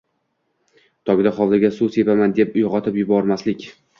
Tongda hovliga suv sepaman deb uyg‘otib yubormaslik!